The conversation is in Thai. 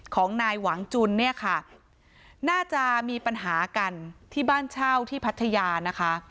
ของนายหวังจุนเนี่ยค่ะน่าจะมีปัญหากันที่บ้านเช่าที่พัทยานะคะ